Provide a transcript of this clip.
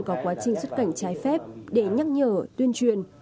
có quá trình xuất cảnh trái phép để nhắc nhở tuyên truyền